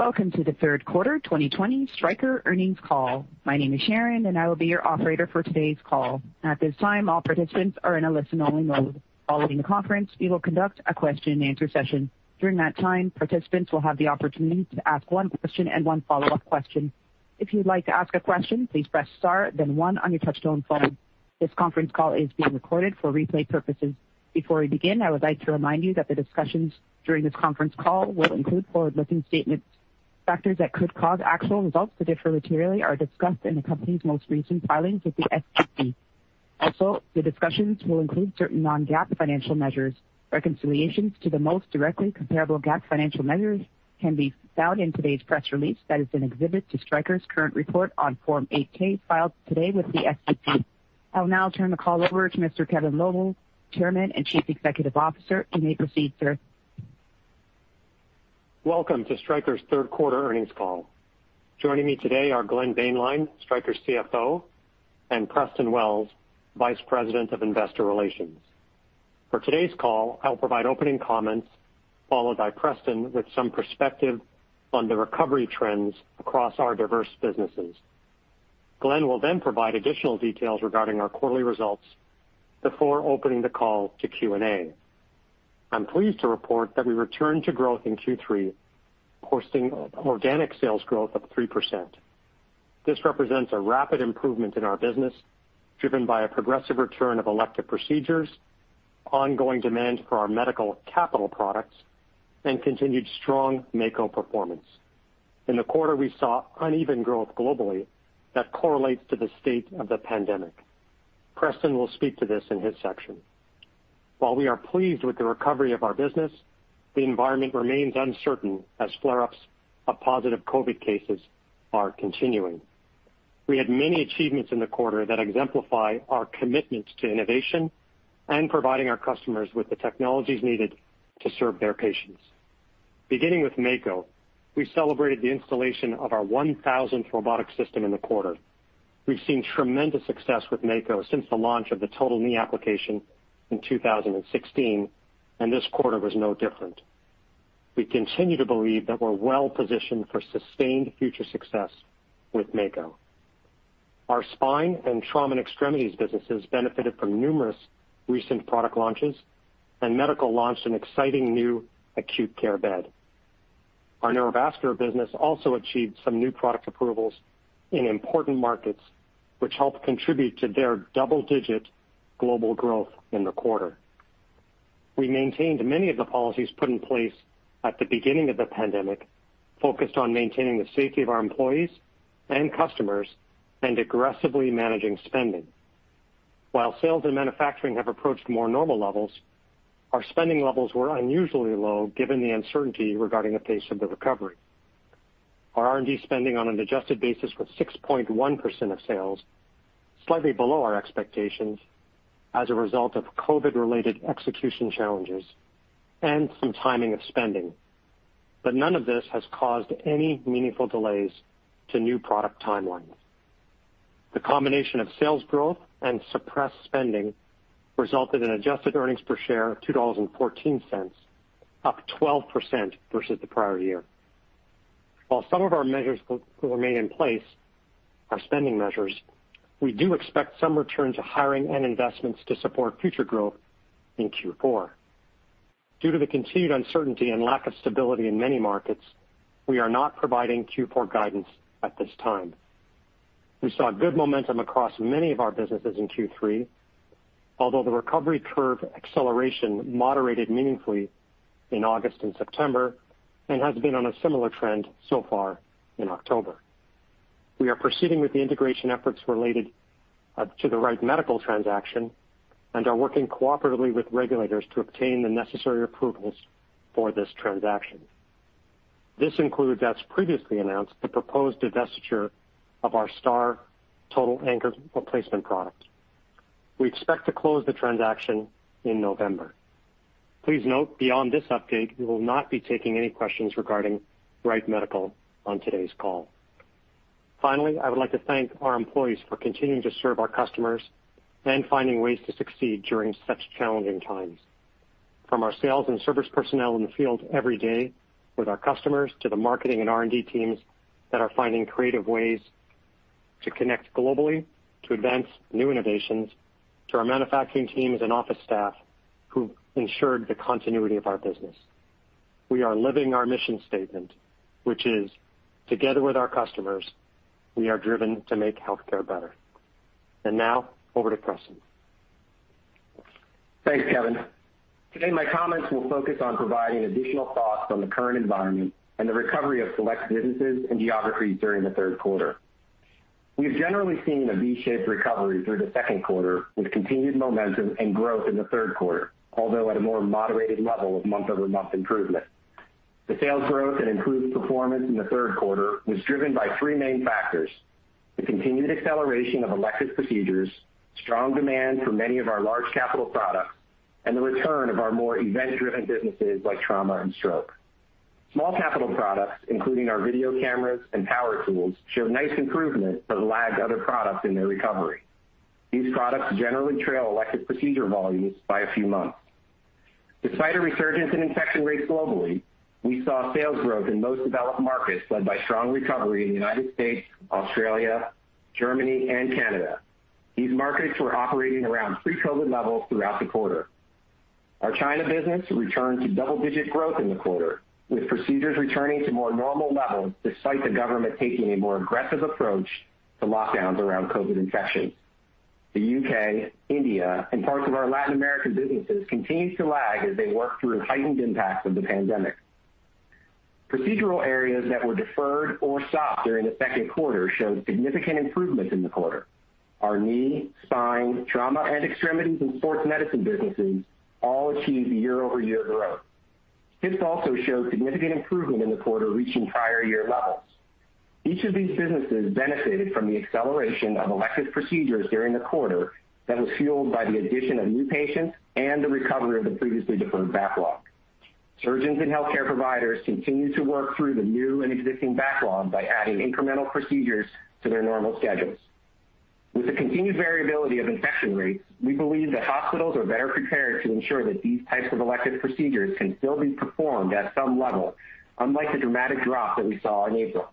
Welcome to the third quarter 2020 Stryker earnings call. My name is Sharon, and I will be your operator for today's call. At this time, all participants are in a listen-only mode. Following the conference, we will conduct a question and answer session. During that time, participants will have the opportunity to ask one question and one follow-up question. If you'd like to ask a question, please press star then one on your touch-tone phone. This conference call is being recorded for replay purposes. Before we begin, I would like to remind you that the discussions during this conference call will include forward-looking statements. Factors that could cause actual results to differ materially are discussed in the company's most recent filings with the SEC. Also, the discussions will include certain non-GAAP financial measures. Reconciliations to the most directly comparable GAAP financial measures can be found in today's press release that is in exhibit to Stryker's current report on Form 8-K filed today with the SEC. I'll now turn the call over to Mr. Kevin Lobo, Chairman and Chief Executive Officer. You may proceed, sir. Welcome to Stryker's third quarter earnings call. Joining me today are Glenn Boehnlein, Stryker CFO, and Preston Wells, Vice President of Investor Relations. For today's call, I'll provide opening comments, followed by Preston with some perspective on the recovery trends across our diverse businesses. Glenn will provide additional details regarding our quarterly results before opening the call to Q&A. I'm pleased to report that we returned to growth in Q3, posting organic sales growth of 3%. This represents a rapid improvement in our business, driven by a progressive return of elective procedures, ongoing demand for our medical capital products, and continued strong Mako performance. In the quarter, we saw uneven growth globally that correlates to the state of the pandemic. Preston will speak to this in his section. While we are pleased with the recovery of our business, the environment remains uncertain as flare-ups of positive COVID cases are continuing. We had many achievements in the quarter that exemplify our commitment to innovation and providing our customers with the technologies needed to serve their patients. Beginning with Mako, we celebrated the installation of our 1,000th robotic system in the quarter. We've seen tremendous success with Mako since the launch of the total knee application in 2016, and this quarter was no different. We continue to believe that we're well-positioned for sustained future success with Mako. Our spine and trauma and extremities businesses benefited from numerous recent product launches, and Medical launched an exciting new acute care bed. Our Neurovascular business also achieved some new product approvals in important markets, which helped contribute to their double-digit global growth in the quarter. We maintained many of the policies put in place at the beginning of the pandemic, focused on maintaining the safety of our employees and customers and aggressively managing spending. While sales and manufacturing have approached more normal levels, our spending levels were unusually low given the uncertainty regarding the pace of the recovery. Our R&D spending on an adjusted basis was 6.1% of sales, slightly below our expectations as a result of COVID-related execution challenges and some timing of spending. None of this has caused any meaningful delays to new product timelines. The combination of sales growth and suppressed spending resulted in adjusted earnings per share of $2.14, up 12% versus the prior year. While some of our measures will remain in place, our spending measures, we do expect some return to hiring and investments to support future growth in Q4. Due to the continued uncertainty and lack of stability in many markets, we are not providing Q4 guidance at this time. We saw good momentum across many of our businesses in Q3, although the recovery curve acceleration moderated meaningfully in August and September and has been on a similar trend so far in October. We are proceeding with the integration efforts related to the Wright Medical transaction and are working cooperatively with regulators to obtain the necessary approvals for this transaction. This includes, as previously announced, the proposed divestiture of our STAR Total Ankle Replacement product. We expect to close the transaction in November. Please note, beyond this update, we will not be taking any questions regarding Wright Medical on today's call. Finally, I would like to thank our employees for continuing to serve our customers and finding ways to succeed during such challenging times. From our sales and service personnel in the field every day with our customers to the marketing and R&D teams that are finding creative ways to connect globally to advance new innovations, to our manufacturing teams and office staff who ensured the continuity of our business. We are living our mission statement, which is, together with our customers, we are driven to make healthcare better. Now, over to Preston. Thanks, Kevin. Today, my comments will focus on providing additional thoughts on the current environment and the recovery of select businesses and geographies during the third quarter. We've generally seen a V-shaped recovery through the second quarter, with continued momentum and growth in the third quarter, although at a more moderated level of month-over-month improvement. The sales growth and improved performance in the third quarter was driven by three main factors. The continued acceleration of elective procedures, strong demand for many of our large capital products, and the return of our more event-driven businesses like trauma and stroke. Small capital products, including our video cameras and power tools, showed nice improvement but lagged other products in their recovery. These products generally trail elective procedure volumes by a few months. Despite a resurgence in infection rates globally, we saw sales growth in most developed markets led by strong recovery in the United States, Australia, Germany, and Canada. These markets were operating around pre-COVID levels throughout the quarter. Our China business returned to double-digit growth in the quarter, with procedures returning to more normal levels despite the government taking a more aggressive approach to lockdowns around COVID infections. The U.K., India, and parts of our Latin American businesses continued to lag as they work through the heightened impacts of the pandemic. Procedural areas that were deferred or stopped during the second quarter showed significant improvements in the quarter. Our knee, spine, trauma, and extremities and sports medicine businesses all achieved year-over-year growth. Hips also showed significant improvement in the quarter, reaching prior year levels. Each of these businesses benefited from the acceleration of elective procedures during the quarter that was fueled by the addition of new patients and the recovery of the previously deferred backlog. Surgeons and healthcare providers continue to work through the new and existing backlog by adding incremental procedures to their normal schedules. With the continued variability of infection rates, we believe that hospitals are better prepared to ensure that these types of elective procedures can still be performed at some level, unlike the dramatic drop that we saw in April.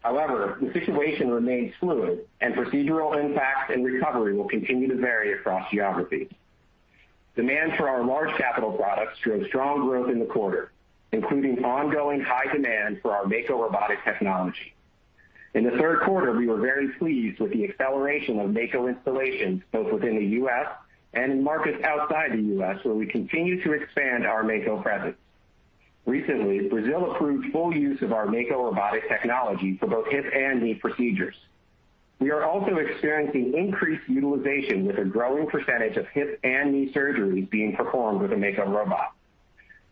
However, the situation remains fluid, and procedural impacts and recovery will continue to vary across geographies. Demand for our large capital products drove strong growth in the quarter, including ongoing high demand for our Mako robotic technology. In the third quarter, we were very pleased with the acceleration of Mako installations, both within the U.S. and in markets outside the U.S., where we continue to expand our Mako presence. Recently, Brazil approved full use of our Mako robotic technology for both hip and knee procedures. We are also experiencing increased utilization with a growing percentage of hip and knee surgeries being performed with a Mako robot.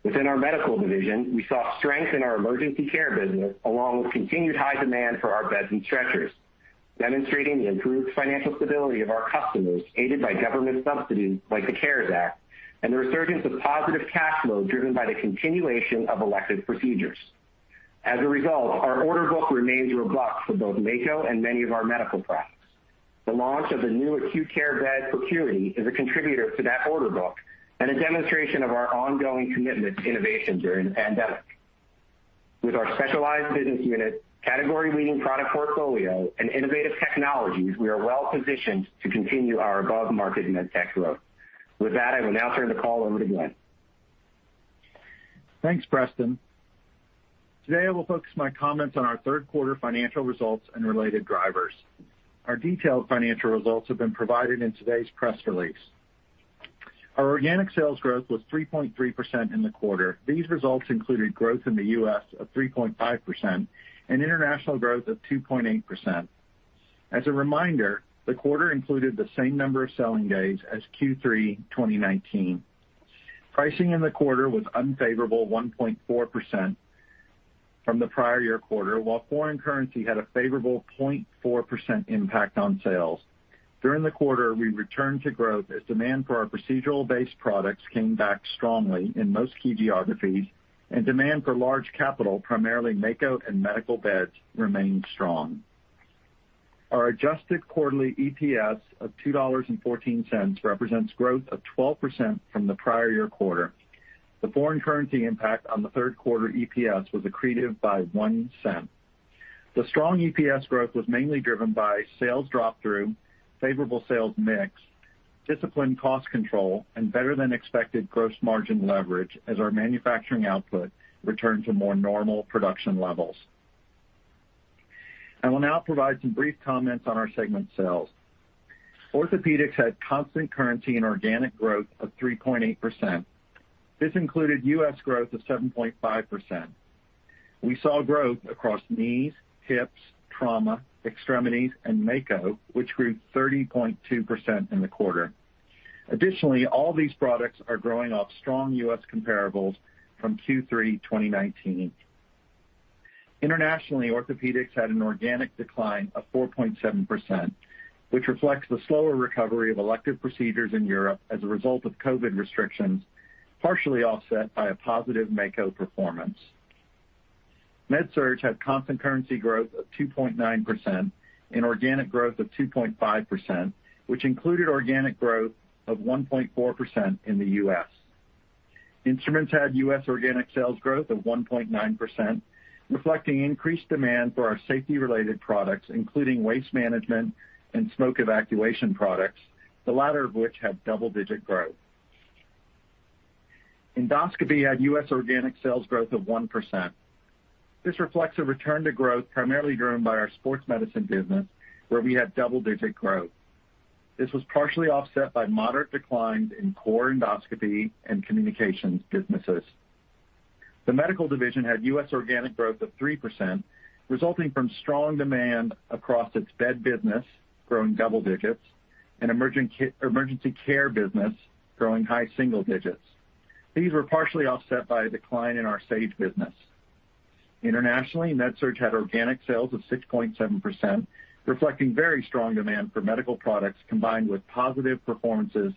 Within our Medical division, we saw strength in our emergency care business along with continued high demand for our beds and stretchers, demonstrating the improved financial stability of our customers, aided by government subsidies like the CARES Act and the resurgence of positive cash flow driven by the continuation of elective procedures. As a result, our order book remains robust for both Mako and many of our medical products. The launch of the new acute care bed ProCuity is a contributor to that order book and a demonstration of our ongoing commitment to innovation during the pandemic. With our specialized business unit, category-leading product portfolio, and innovative technologies, we are well positioned to continue our above-market med tech growth. With that, I will now turn the call over to Glenn. Thanks, Preston. Today, I will focus my comments on our third quarter financial results and related drivers. Our detailed financial results have been provided in today's press release. Our organic sales growth was 3.3% in the quarter. These results included growth in the U.S. of 3.5% and international growth of 2.8%. As a reminder, the quarter included the same number of selling days as Q3 2019. Pricing in the quarter was unfavorable 1.4% from the prior year quarter, while foreign currency had a favorable 0.4% impact on sales. During the quarter, we returned to growth as demand for our procedural-based products came back strongly in most key geographies, and demand for large capital, primarily Mako and medical beds, remained strong. Our adjusted quarterly EPS of $2.14 represents growth of 12% from the prior year quarter. The foreign currency impact on the third quarter EPS was accretive by $0.01. The strong EPS growth was mainly driven by sales drop-through, favorable sales mix, disciplined cost control, and better than expected gross margin leverage as our manufacturing output returned to more normal production levels. I will now provide some brief comments on our segment sales. Orthopaedics had constant currency and organic growth of 3.8%. This included U.S. growth of 7.5%. We saw growth across knees, hips, trauma, extremities, and Mako, which grew 30.2% in the quarter. Additionally, all these products are growing off strong U.S. comparables from Q3 2019. Internationally, Orthopaedics had an organic decline of 4.7%, which reflects the slower recovery of elective procedures in Europe as a result of COVID restrictions, partially offset by a positive Mako performance. MedSurg had constant currency growth of 2.9% and organic growth of 2.5%, which included organic growth of 1.4% in the U.S. Instruments had U.S. organic sales growth of 1.9%, reflecting increased demand for our safety-related products, including waste management and smoke evacuation products, the latter of which had double-digit growth. Endoscopy had U.S. organic sales growth of 1%. This reflects a return to growth primarily driven by our sports medicine business, where we had double-digit growth. This was partially offset by moderate declines in core endoscopy and communications businesses. The Medical division had U.S. organic growth of 3%, resulting from strong demand across its bed business, growing double digits, and emergency care business growing high single digits. These were partially offset by a decline in our Sage business. Internationally, MedSurg had organic sales of 6.7%, reflecting very strong demand for medical products, combined with positive performances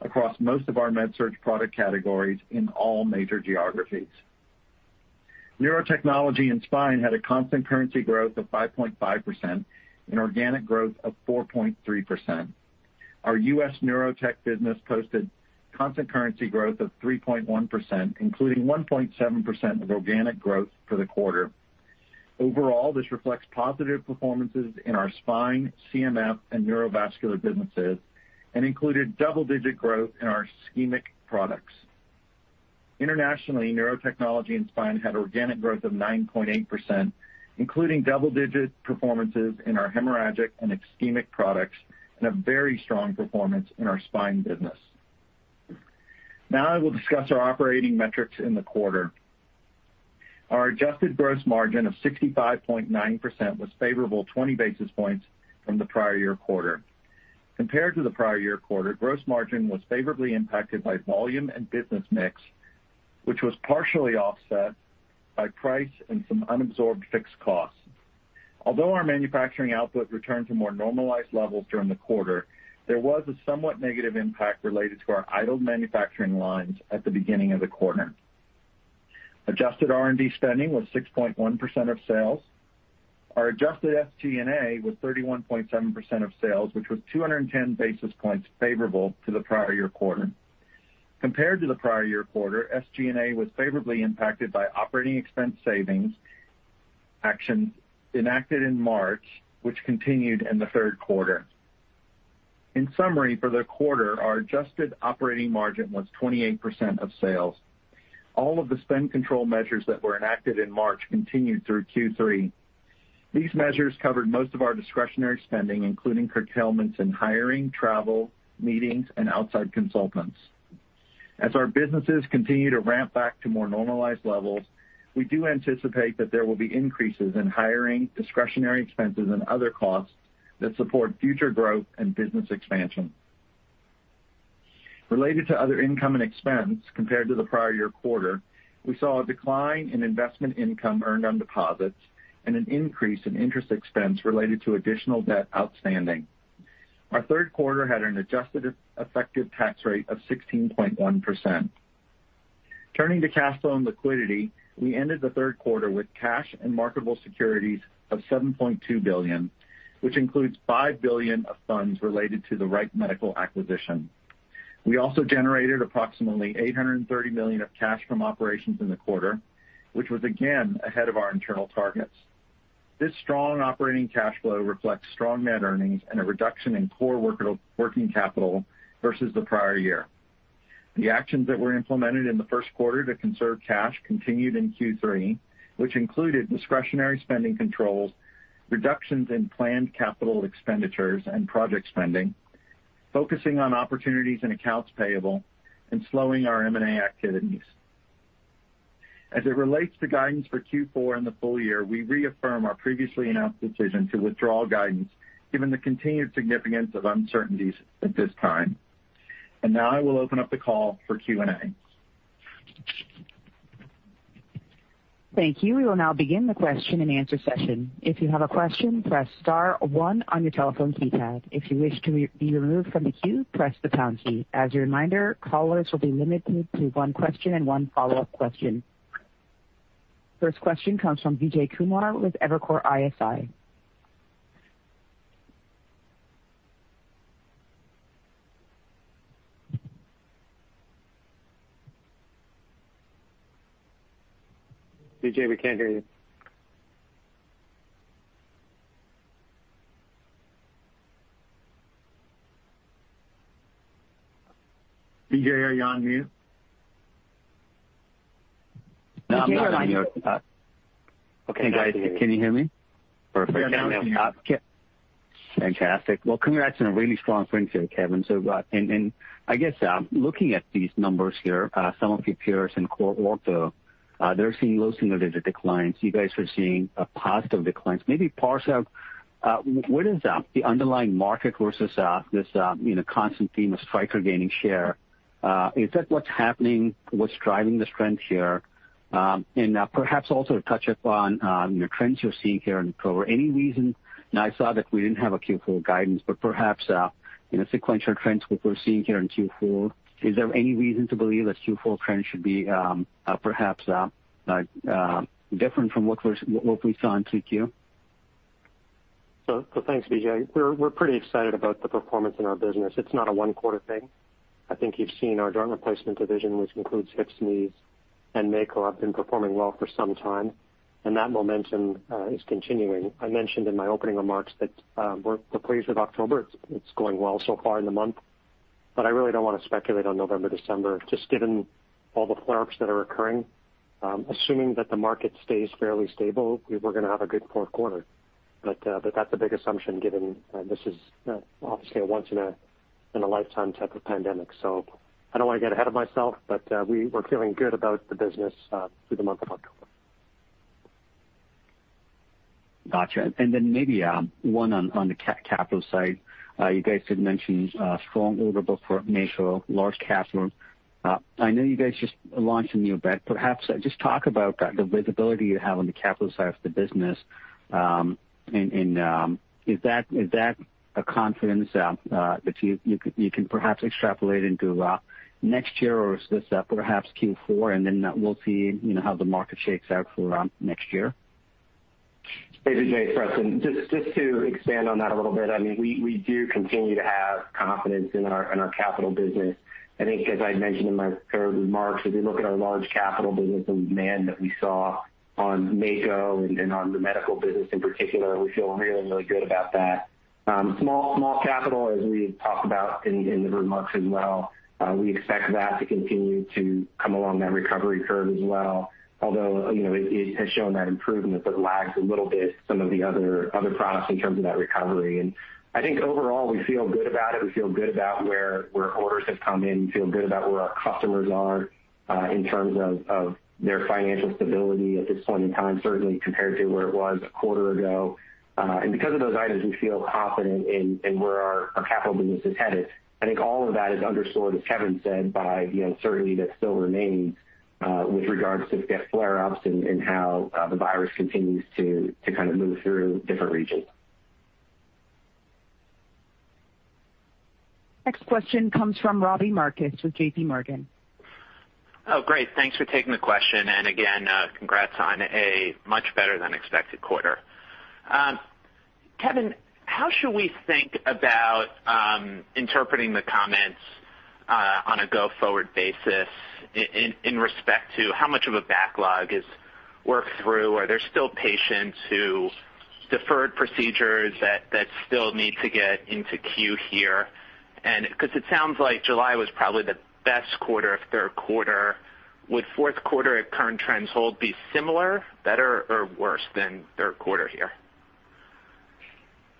across most of our MedSurg product categories in all major geographies. Neurotechnology and Spine had a constant currency growth of 5.5% and organic growth of 4.3%. Our U.S. neurotech business posted constant currency growth of 3.1%, including 1.7% of organic growth for the quarter. Overall, this reflects positive performances in our Spine, CMF, and Neurovascular businesses and included double-digit growth in our ischemic products. Internationally, Neurotechnology and Spine had organic growth of 9.8%, including double-digit performances in our hemorrhagic and ischemic products, and a very strong performance in our Spine business. Now I will discuss our operating metrics in the quarter. Our adjusted gross margin of 65.9% was favorable 20 basis points from the prior year quarter. Compared to the prior year quarter, gross margin was favorably impacted by volume and business mix, which was partially offset by price and some unabsorbed fixed costs. Although our manufacturing output returned to more normalized levels during the quarter, there was a somewhat negative impact related to our idled manufacturing lines at the beginning of the quarter. Adjusted R&D spending was 6.1% of sales. Our adjusted SG&A was 31.7% of sales, which was 210 basis points favorable to the prior year quarter. Compared to the prior year quarter, SG&A was favorably impacted by operating expense savings actions enacted in March, which continued in the third quarter. In summary, for the quarter, our adjusted operating margin was 28% of sales. All of the spend control measures that were enacted in March continued through Q3. These measures covered most of our discretionary spending, including curtailments in hiring, travel, meetings, and outside consultants. As our businesses continue to ramp back to more normalized levels, we do anticipate that there will be increases in hiring, discretionary expenses, and other costs that support future growth and business expansion. Related to other income and expense compared to the prior year quarter, we saw a decline in investment income earned on deposits and an increase in interest expense related to additional debt outstanding. Our third quarter had an adjusted effective tax rate of 16.1%. Turning to cash flow and liquidity, we ended the third quarter with cash and marketable securities of $7.2 billion, which includes $5 billion of funds related to the Wright Medical acquisition. We also generated approximately $830 million of cash from operations in the quarter, which was again ahead of our internal targets. This strong operating cash flow reflects strong net earnings and a reduction in core working capital versus the prior year. The actions that were implemented in the first quarter to conserve cash continued in Q3, which included discretionary spending controls, reductions in planned capital expenditures and project spending, focusing on opportunities and accounts payable, and slowing our M&A activities. As it relates to guidance for Q4 and the full year, we reaffirm our previously announced decision to withdraw guidance given the continued significance of uncertainties at this time. Now I will open up the call for Q&A. Thank you. We will now begin the question-and-answer session. If you have a question, press star one on your telephone keypad. If you wish to be removed from the queue, press the pound key. As a reminder, callers will be limited to one question and one follow-up question. First question comes from Vijay Kumar with Evercore ISI. Vijay, we can't hear you. Vijay, are you on mute? No, I'm not on mute. Okay. Hey, guys, can you hear me? Perfect. Fantastic. Well, congrats on a really strong quarter, Kevin. I guess looking at these numbers here, some of your peers in core Orthopaedics, they're seeing low single-digit declines. You guys are seeing a positive declines. Maybe parse out what is the underlying market versus this constant theme of Stryker gaining share. Is that what's happening? What's driving the strength here? Perhaps also touch upon trends you're seeing here in Q4. Any reason, and I saw that we didn't have a Q4 guidance, but perhaps, sequential trends, what we're seeing here in Q4, is there any reason to believe that Q4 trends should be perhaps different from what we saw in 2Q? Thanks, Vijay. We're pretty excited about the performance in our business. It's not a one-quarter thing. I think you've seen our joint replacement division, which includes hips, knees, and Mako, have been performing well for some time, and that momentum is continuing. I mentioned in my opening remarks that we're pleased with October. It's going well so far in the month. I really don't want to speculate on November, December, just given all the flare-ups that are occurring. Assuming that the market stays fairly stable, we were going to have a good fourth quarter. That's a big assumption given this is obviously a once in a lifetime type of pandemic. I don't want to get ahead of myself, but we're feeling good about the business through the month of October. Got you. Maybe one on the capital side. You guys did mention a strong order book for Mako, large capital. I know you guys just launched a new bed. Perhaps just talk about the visibility you have on the capital side of the business. Is that a confidence that you can perhaps extrapolate into next year or perhaps Q4 and then we'll see how the market shakes out for next year? Hey, Vijay Preston. Just to expand on that a little bit. We do continue to have confidence in our capital business. I think as I mentioned in my third remarks, if you look at our large capital business demand that we saw on Mako and on the medical business in particular, we feel really, really good about that. Small capital, as we talked about in the remarks as well, we expect that to continue to come along that recovery curve as well. Although, it has shown that improvement but lags a little bit some of the other products in terms of that recovery. I think overall we feel good about it. We feel good about where orders have come in. We feel good about where our customers are, in terms of their financial stability at this point in time, certainly compared to where it was a quarter ago. Because of those items, we feel confident in where our capital business is headed. I think all of that is underscored, as Kevin said, by the uncertainty that still remains, with regards to flare-ups and how the virus continues to kind of move through different regions. Next question comes from Robbie Marcus with JPMorgan. Oh, great. Thanks for taking the question and again, congrats on a much better than expected quarter. Kevin, how should we think about interpreting the comments on a go-forward basis in respect to how much of a backlog is worked through? Are there still patients who deferred procedures that still need to get into queue here? Because it sounds like July was probably the best quarter of third quarter, would fourth quarter at current trends hold be similar, better, or worse than third quarter here?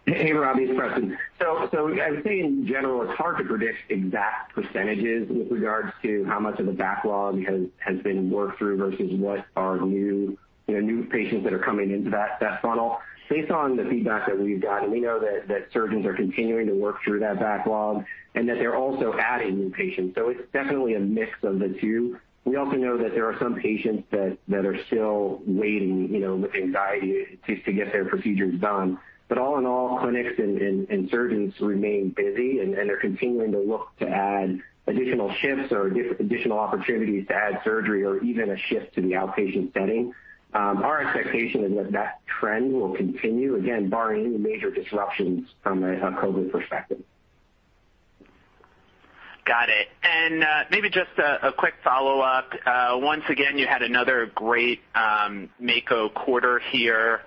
Hey, Robbie. It's Preston. I would say in general, it's hard to predict exact percentages with regards to how much of the backlog has been worked through versus what are new patients that are coming into that funnel. Based on the feedback that we've gotten, we know that surgeons are continuing to work through that backlog and that they're also adding new patients. It's definitely a mix of the two. We also know that there are some patients that are still waiting with anxiety to get their procedures done. All in all, clinics and surgeons remain busy and they're continuing to look to add additional shifts or additional opportunities to add surgery or even a shift to the outpatient setting. Our expectation is that trend will continue, again, barring any major disruptions from a COVID perspective. Got it. Maybe just a quick follow-up. Once again, you had another great Mako quarter here,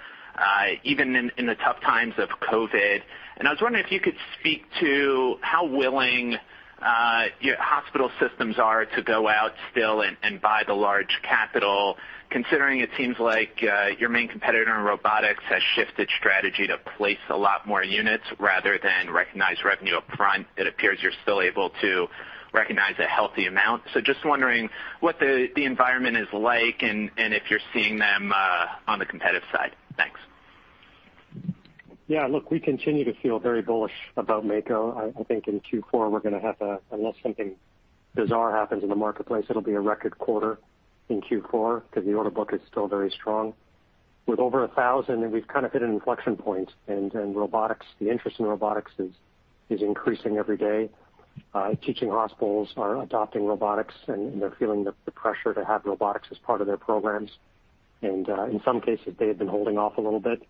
even in the tough times of COVID. I was wondering if you could speak to how willing hospital systems are to go out still and buy the large capital, considering it seems like your main competitor in robotics has shifted strategy to place a lot more units rather than recognize revenue upfront. It appears you're still able to recognize a healthy amount. Just wondering what the environment is like and if you're seeing them on the competitive side. Thanks. Look, we continue to feel very bullish about Mako. I think in Q4, we're going to have, unless something bizarre happens in the marketplace, it'll be a record quarter in Q4 because the order book is still very strong. With over 1,000, we've kind of hit an inflection point and the interest in robotics is increasing every day. Teaching hospitals are adopting robotics, they're feeling the pressure to have robotics as part of their programs. In some cases, they have been holding off a little bit.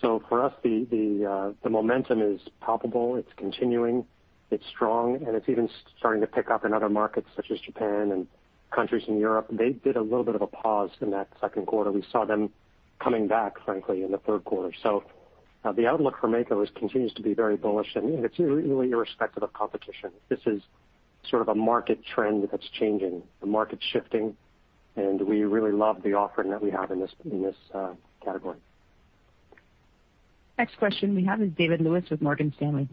For us, the momentum is palpable. It's continuing, it's strong, and it's even starting to pick up in other markets such as Japan and countries in Europe. They did a little bit of a pause in that second quarter. We saw them coming back, frankly, in the third quarter. The outlook for Mako continues to be very bullish, and it's really irrespective of competition. This is sort of a market trend that's changing, the market's shifting, and we really love the offering that we have in this category. Next question we have is David Lewis with Morgan Stanley.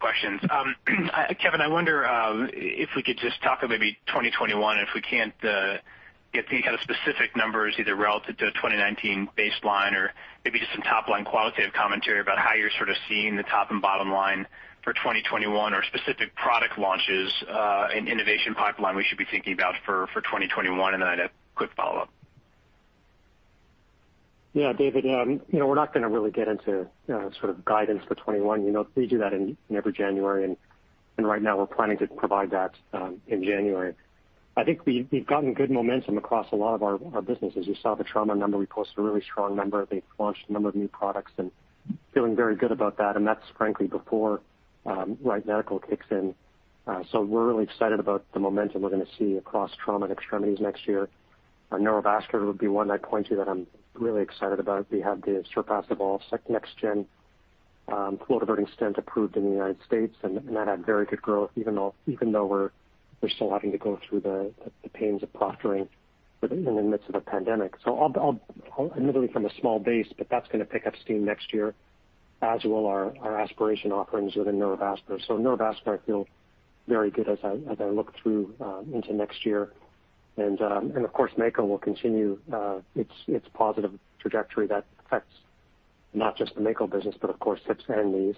Questions. Kevin, I wonder if we could just talk maybe 2021, if we can't get any kind of specific numbers either relative to a 2019 baseline or maybe just some top-line qualitative commentary about how you're sort of seeing the top and bottom line for 2021 or specific product launches and innovation pipeline we should be thinking about for 2021. I had a quick follow-up. Yeah, David, we're not going to really get into sort of guidance for 2021. We do that in every January, right now we're planning to provide that in January. I think we've gotten good momentum across a lot of our businesses. You saw the trauma number. We posted a really strong number. They've launched a number of new products feeling very good about that. That's frankly before Wright Medical kicks in. We're really excited about the momentum we're going to see across trauma and extremities next year. Neurovascular would be one I point to that I'm really excited about. We have the Surpass Evolve Flow Diverter flow-diverting stent approved in the U.S., that had very good growth even though we're still having to go through the pains of proctoring in the midst of a pandemic. Admittedly from a small base, but that's going to pick up steam next year, as will our aspiration offerings within neurovascular. Neurovascular, I feel very good as I look through into next year. Of course, Mako will continue its positive trajectory that affects not just the Mako business, but of course hips and knees.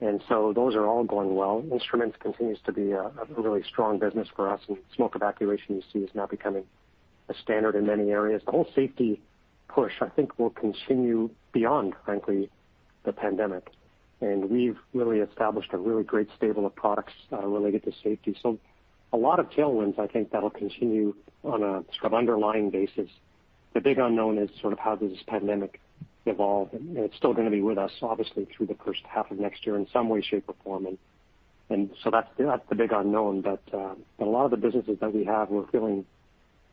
Those are all going well. Instruments continues to be a really strong business for us, and smoke evacuation you see is now becoming a standard in many areas. The whole safety push, I think, will continue beyond, frankly, the pandemic. We've really established a really great stable of products related to safety. A lot of tailwinds, I think, that'll continue on a sort of underlying basis. The big unknown is sort of how does this pandemic evolve. It's still going to be with us, obviously, through the first half of next year in some way, shape, or form. That's the big unknown. A lot of the businesses that we have, we're feeling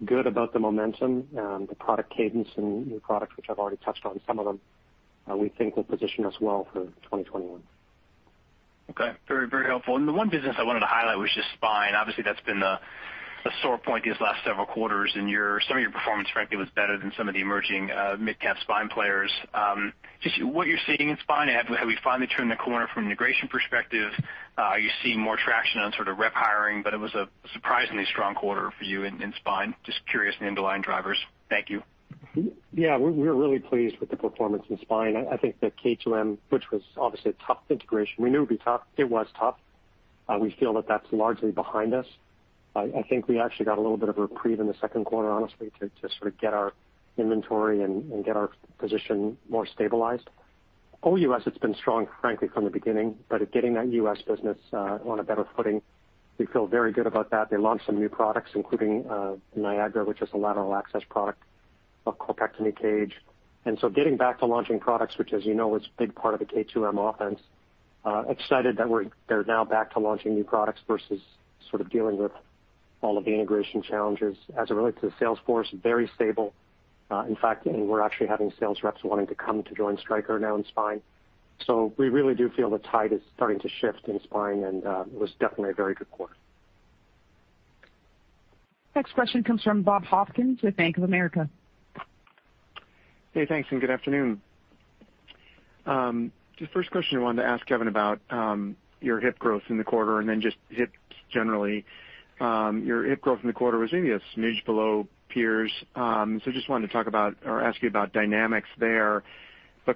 good about the momentum, the product cadence and new products, which I've already touched on some of them, we think will position us well for 2021. Okay. Very helpful. The one business I wanted to highlight was just spine. Obviously, that's been the sore point these last several quarters, and some of your performance, frankly, was better than some of the emerging mid-cap spine players. Just what you're seeing in spine, have we finally turned the corner from an integration perspective? Are you seeing more traction on sort of rep hiring? It was a surprisingly strong quarter for you in spine. Just curious on the underlying drivers. Thank you. Yeah. We're really pleased with the performance in spine. I think that K2M, which was obviously a tough integration, we knew it would be tough. It was tough. We feel that that's largely behind us. I think we actually got a little bit of a reprieve in the second quarter, honestly, to sort of get our inventory and get our position more stabilized. OUS, it's been strong, frankly, from the beginning. But at getting that U.S. business on a better footing, we feel very good about that. They launched some new products, including Niagara, which is a lateral access product, a corpectomy cage. Getting back to launching products, which as you know, is a big part of the K2M offense, excited that they're now back to launching new products versus sort of dealing with all of the integration challenges. As it relates to the sales force, very stable. In fact, we're actually having sales reps wanting to come to join Stryker now in spine. We really do feel the tide is starting to shift in spine, and it was definitely a very good quarter. Next question comes from Bob Hopkins with Bank of America. Hey, thanks, and good afternoon. Just first question I wanted to ask, Kevin, about your hip growth in the quarter and then just hips generally. Your hip growth in the quarter was maybe a smidge below peers. Just wanted to talk about or ask you about dynamics there.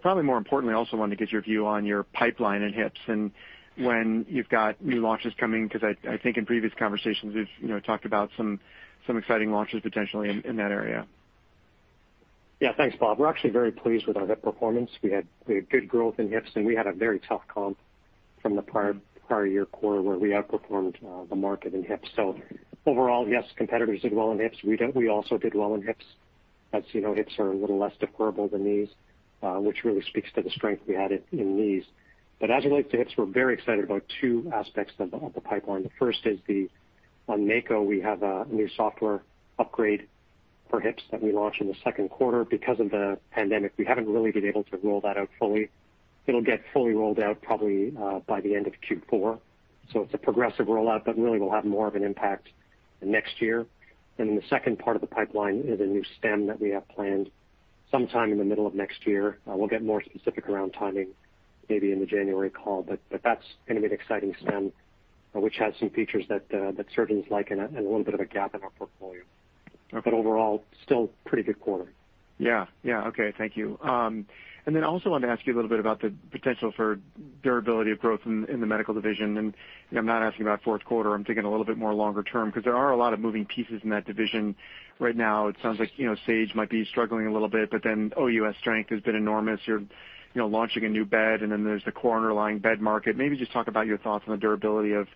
Probably more importantly, also wanted to get your view on your pipeline in hips and when you've got new launches coming, because I think in previous conversations, you've talked about some exciting launches potentially in that area. Thanks, Bob. We're actually very pleased with our hip performance. We had good growth in hips, and we had a very tough comp from the prior year quarter where we outperformed the market in hips. Overall, yes, competitors did well in hips. We also did well in hips. As you know, hips are a little less deferrable than knees, which really speaks to the strength we had in knees. As it relates to hips, we're very excited about two aspects of the pipeline. The first is on Mako, we have a new software upgrade for hips that we launch in the second quarter. Because of the pandemic, we haven't really been able to roll that out fully. It'll get fully rolled out probably by the end of Q4. It's a progressive rollout, but really will have more of an impact next year. The second part of the pipeline is a new stem that we have planned sometime in the middle of next year. We'll get more specific around timing maybe in the January call. That's going to be an exciting stem, which has some features that surgeons like and a little bit of a gap in our portfolio. Okay. Overall, still pretty good quarter. Yeah. Okay. Thank you. Also wanted to ask you a little bit about the potential for durability of growth in the medical division. I'm not asking about fourth quarter, I'm thinking a little bit more longer term, because there are a lot of moving pieces in that division right now. It sounds like Sage might be struggling a little bit, OUS strength has been enormous. You're launching a new bed, there's the core underlying bed market. Maybe just talk about your thoughts on the durability of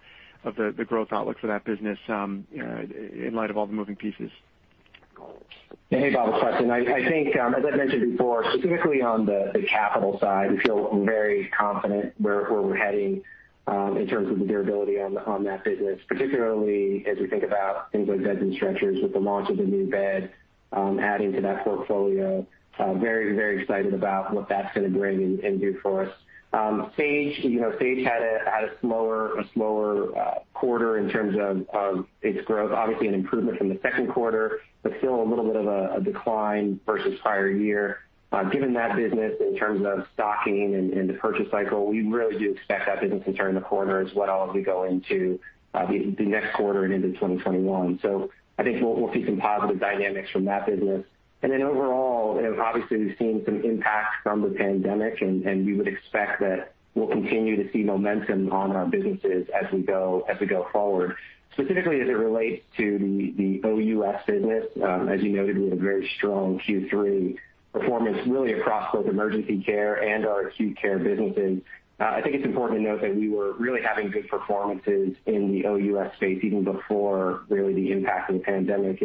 the growth outlook for that business in light of all the moving pieces. Hey, Bob. Preston. I think, as I have mentioned before, specifically on the capital side, we feel very confident where we are heading in terms of the durability on that business, particularly as we think about things like beds and stretchers with the launch of the new bed, adding to that portfolio. Very excited about what that is going to bring and do for us. Sage had a slower quarter in terms of its growth. Obviously, an improvement from the second quarter, but still a little bit of a decline versus prior year. Given that business in terms of stocking and the purchase cycle, we really do expect that business to turn the corner as well as we go into the next quarter and into 2021. I think we will see some positive dynamics from that business. Overall, obviously we've seen some impact from the pandemic, and we would expect that we'll continue to see momentum on our businesses as we go forward. Specifically, as it relates to the OUS business, as you noted, we had a very strong Q3 performance, really across both emergency care and our acute care businesses. I think it's important to note that we were really having good performances in the OUS space even before really the impact of the pandemic.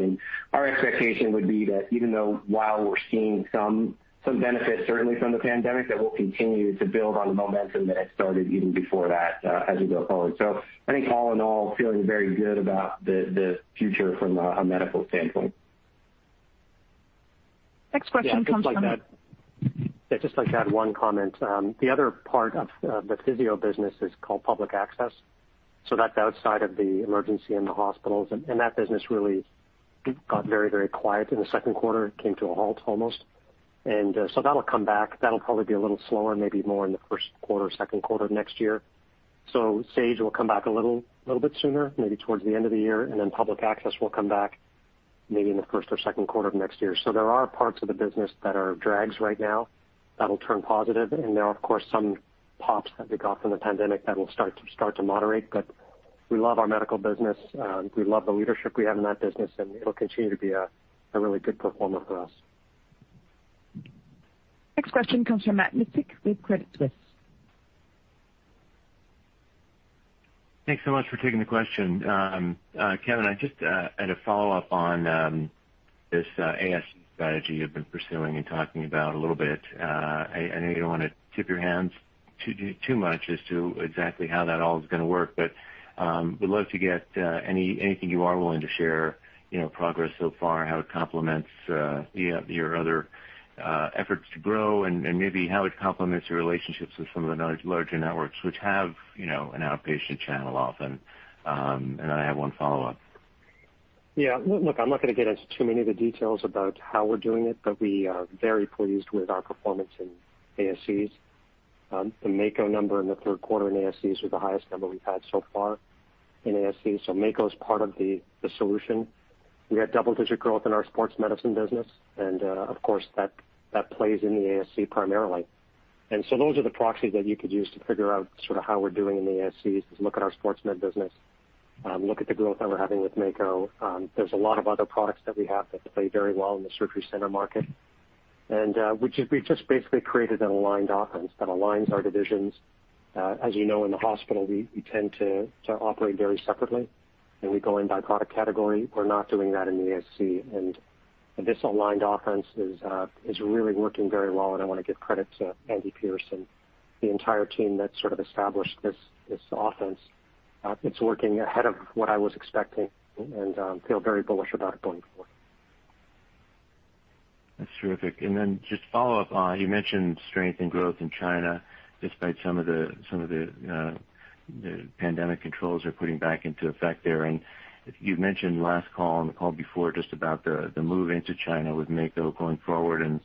Our expectation would be that even though while we're seeing some benefits certainly from the pandemic, that we'll continue to build on the momentum that had started even before that as we go forward. I think all in all, feeling very good about the future from a medical standpoint. Next question comes from. Just on that. Just to add one comment. The other part of the Physio business is called public access, so that's outside of the emergency and the hospitals. That business really got very quiet in the second quarter. It came to a halt almost. That'll come back. That'll probably be a little slower, maybe more in the first quarter, second quarter of next year. Sage will come back a little bit sooner, maybe towards the end of the year, and then public access will come back maybe in the first or second quarter of next year. There are parts of the business that are drags right now that'll turn positive. There are, of course, some pops that we got from the pandemic that will start to moderate. We love our medical business. We love the leadership we have in that business, and it'll continue to be a really good performer for us. Next question comes from Matt Miksic with Credit Suisse. Thanks so much for taking the question. Kevin, I just had a follow-up on this ASC strategy you've been pursuing and talking about a little bit. I know you don't want to tip your hands too much as to exactly how that all is going to work, but we'd love to get anything you are willing to share, progress so far, how it complements your other efforts to grow, and maybe how it complements your relationships with some of the larger networks which have an outpatient channel often. I have one follow-up. Look, I'm not going to get into too many of the details about how we're doing it, but we are very pleased with our performance in ASCs. The Mako number in the third quarter in ASCs was the highest number we've had so far in ASC. Mako's part of the solution. We had double-digit growth in our sports medicine business. Of course, that plays in the ASC primarily. Those are the proxies that you could use to figure out sort of how we're doing in the ASCs is look at our sports med business, look at the growth that we're having with Mako. There's a lot of other products that we have that play very well in the surgery center market. We've just basically created an aligned offense that aligns our divisions. As you know, in the hospital, we tend to operate very separately, and we go in by product category. We're not doing that in the ASC. This aligned offense is really working very well, and I want to give credit to Andy Pierce, the entire team that sort of established this offense. It's working ahead of what I was expecting and feel very bullish about it going forward. That's terrific. Just follow up on, you mentioned strength and growth in China despite some of the pandemic controls they're putting back into effect there. You mentioned last call and the call before just about the move into China with Mako going forward and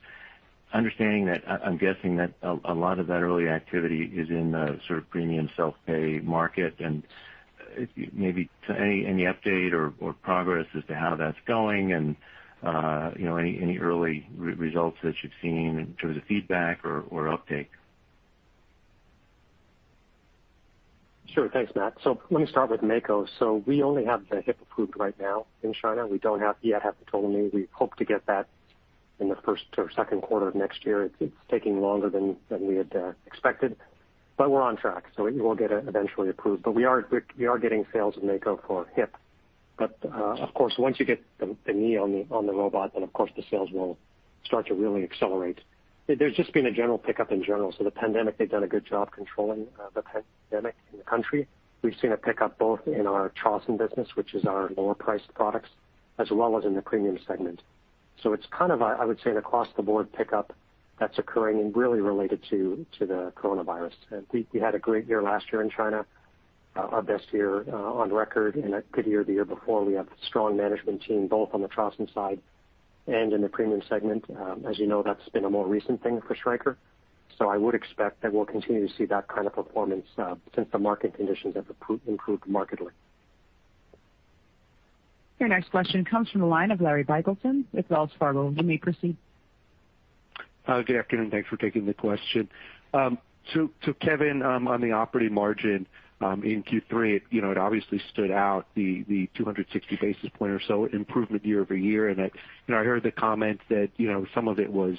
understanding that, I'm guessing that a lot of that early activity is in the sort of premium self-pay market and maybe any update or progress as to how that's going and any early results that you've seen in terms of feedback or uptake? Sure. Thanks, Matt. Let me start with Mako. We only have the hip approved right now in China. We don't yet have the total knee. We hope to get that in the first or second quarter of next year. It's taking longer than we had expected, but we're on track, so it will get eventually approved. We are getting sales of Mako for hip. Of course, once you get the knee on the robot, then of course, the sales will start to really accelerate. There's just been a general pickup in general. The pandemic, they've done a good job controlling the pandemic in the country. We've seen a pickup both in our Trauson business, which is our lower-priced products, as well as in the premium segment. It's kind of, I would say, an across-the-board pickup that's occurring and really related to the coronavirus. We had a great year last year in China, our best year on record, and a good year the year before. We have a strong management team, both on the Trauson side and in the premium segment. As you know, that's been a more recent thing for Stryker. I would expect that we'll continue to see that kind of performance since the market conditions have improved markedly. Your next question comes from the line of Larry Biegelsen with Wells Fargo. You may proceed. Good afternoon. Thanks for taking the question. Kevin, on the operating margin in Q3, it obviously stood out the 260 basis point or so improvement year-over-year. I heard the comment that some of it was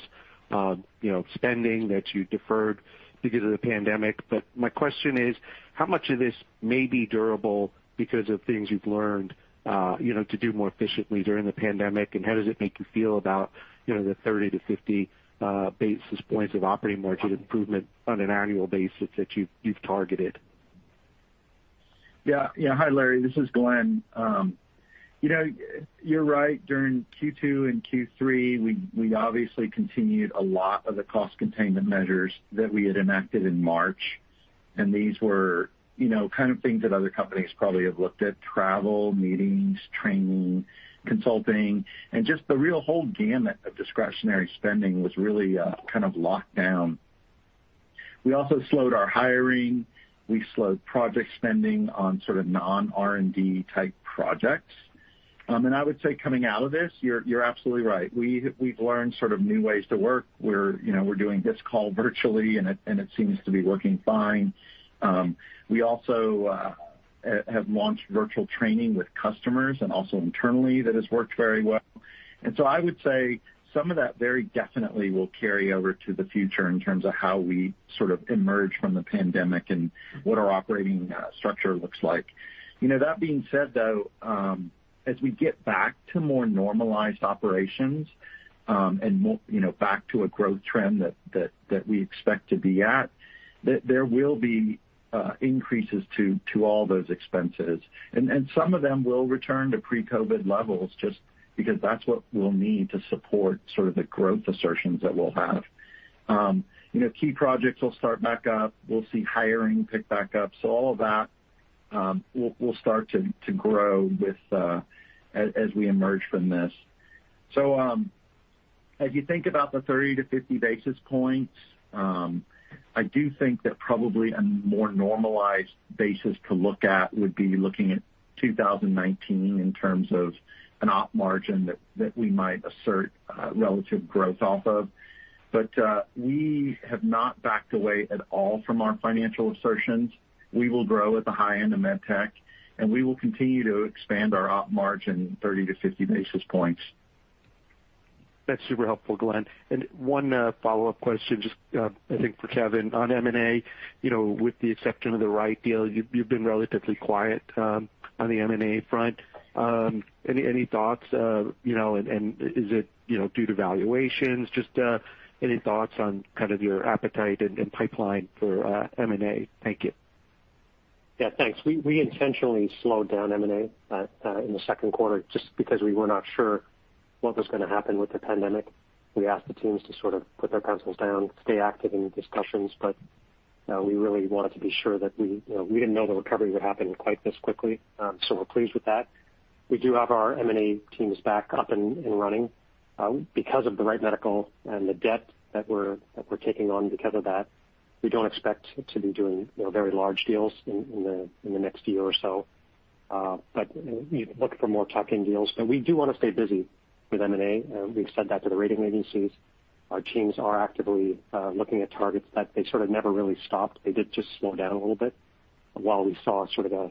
spending that you deferred because of the pandemic. My question is, how much of this may be durable because of things you've learned to do more efficiently during the pandemic? How does it make you feel about the 30-50 basis points of operating margin improvement on an annual basis that you've targeted? Yeah. Hi, Larry. This is Glenn. You're right. During Q2 and Q3, we obviously continued a lot of the cost containment measures that we had enacted in March. These were kind of things that other companies probably have looked at, travel, meetings, training, consulting, and just the real whole gamut of discretionary spending was really kind of locked down. We also slowed our hiring. We slowed project spending on sort of non-R&D type projects. I would say coming out of this, you're absolutely right. We've learned sort of new ways to work. We're doing this call virtually, and it seems to be working fine. We also have launched virtual training with customers and also internally that has worked very well. I would say some of that very definitely will carry over to the future in terms of how we sort of emerge from the pandemic and what our operating structure looks like. That being said, though, as we get back to more normalized operations, and back to a growth trend that we expect to be at, there will be increases to all those expenses. Some of them will return to pre-COVID levels just because that's what we'll need to support sort of the growth assertions that we'll have. Key projects will start back up. We'll see hiring pick back up. All of that will start to grow as we emerge from this. As you think about the 30-50 basis points, I do think that probably a more normalized basis to look at would be looking at 2019 in terms of an op margin that we might assert relative growth off of. We have not backed away at all from our financial assertions. We will grow at the high end of MedTech, and we will continue to expand our op margin 30-50 basis points. That's super helpful, Glenn. One follow-up question, just I think for Kevin on M&A. With the exception of the Wright deal, you've been relatively quiet on the M&A front. Any thoughts? Is it due to valuations? Just any thoughts on kind of your appetite and pipeline for M&A? Thank you. Yeah, thanks. We intentionally slowed down M&A in the second quarter just because we were not sure what was going to happen with the pandemic. We asked the teams to sort of put their pencils down, stay active in discussions, but we really wanted to be sure that we didn't know the recovery would happen quite this quickly, so we're pleased with that. We do have our M&A teams back up and running. Because of the Wright Medical and the debt that we're taking on because of that, we don't expect to be doing very large deals in the next year or so. We look for more tuck-in deals, but we do want to stay busy with M&A. We've said that to the rating agencies. Our teams are actively looking at targets that they sort of never really stopped. They did just slow down a little bit while we saw sort of a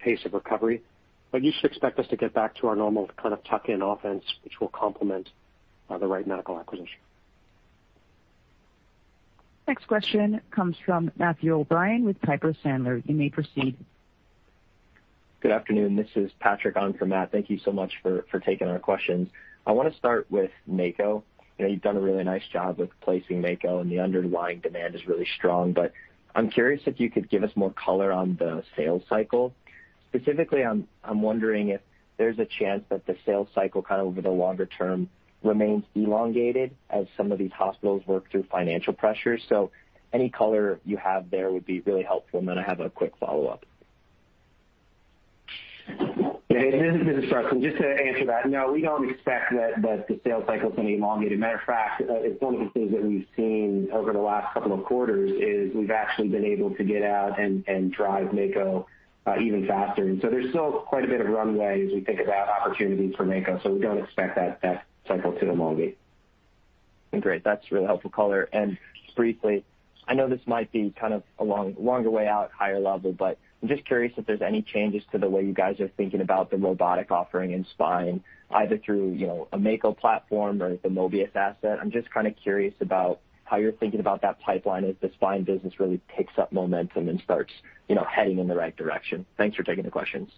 pace of recovery. You should expect us to get back to our normal kind of tuck-in offense, which will complement the Wright Medical acquisition. Next question comes from Matthew O'Brien with Piper Sandler. You may proceed. Good afternoon. This is Patrick on for Matt. Thank you so much for taking our questions. I want to start with Mako. You've done a really nice job with placing Mako, and the underlying demand is really strong, but I'm curious if you could give us more color on the sales cycle. Specifically, I'm wondering if there's a chance that the sales cycle over the longer term remains elongated as some of these hospitals work through financial pressures. Any color you have there would be really helpful, and then I have a quick follow-up. This is Russ. Just to answer that, no, we don't expect that the sales cycle is going to be elongated. Matter of fact, it's one of the things that we've seen over the last couple of quarters is we've actually been able to get out and drive Mako even faster. There's still quite a bit of runway as we think about opportunities for Mako. We don't expect that cycle to elongate. Great. That's really helpful color. Just briefly, I know this might be kind of a longer way out, higher level, but I'm just curious if there's any changes to the way you guys are thinking about the robotic offering in Spine, either through a Mako platform or the Mobius asset. I'm just kind of curious about how you're thinking about that pipeline as the Spine business really picks up momentum and starts heading in the right direction. Thanks for taking the questions.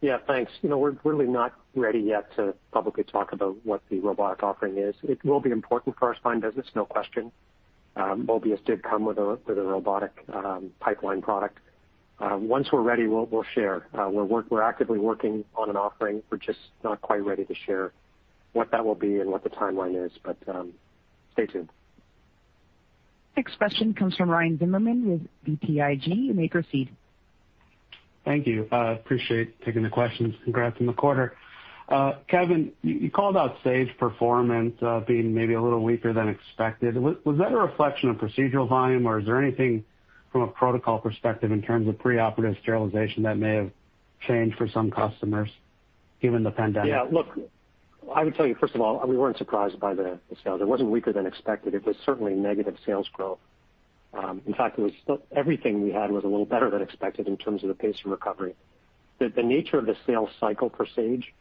Yeah, thanks. We're really not ready yet to publicly talk about what the robotic offering is. It will be important for our Spine business, no question. Mobius did come with a robotic pipeline product. Once we're ready, we'll share. We're actively working on an offering. We're just not quite ready to share what that will be and what the timeline is, but stay tuned. Next question comes from Ryan Zimmerman with BTIG. You may proceed. Thank you. Appreciate taking the questions. Congrats on the quarter. Kevin, you called out Sage performance being maybe a little weaker than expected. Was that a reflection of procedural volume, or is there anything from a protocol perspective in terms of preoperative sterilization that may have changed for some customers given the pandemic? Look, I would tell you, first of all, we weren't surprised by the sales. It wasn't weaker than expected. It was certainly negative sales growth. In fact, everything we had was a little better than expected in terms of the pace of recovery. The nature of the sales cycle for Sage,